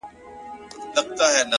ته یې لور د شراب; زه مست زوی د بنګ یم;